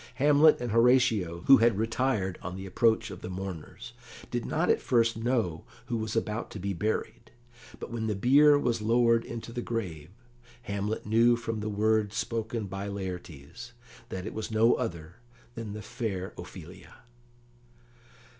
Hamlet and Horatio, who had retired on the approach of the mourners, did not at first know who was about to be buried, but when the bier was lowered into the grave, Hamlet knew from the words spoken by Laertes that it was no other than the fair Ophelia.